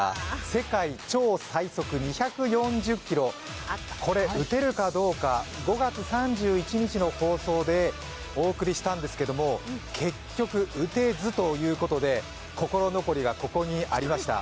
世界超最速２４０キロ、これ打てるかどうか５月３１日の放送でお送りしたんですけれども、結局、打てずということで心残りがここにありました。